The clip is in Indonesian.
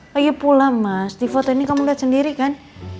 lagi pula mas di foto ini kamu liat sendiri kan